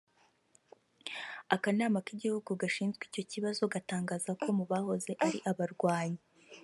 Akanama k’igihugu gashinzwe icyo kibazo gatangaza ko mu bahoze ari abarwanyi